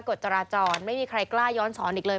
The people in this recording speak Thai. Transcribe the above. กฎจราจรไม่มีใครกล้าย้อนสอนอีกเลย